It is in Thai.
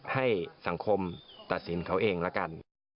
ให้สังคมตัดสินเขาเองละกัน